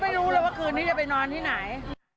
ไม่รู้เลยว่าคืนนี้จะไปนอนที่ไหน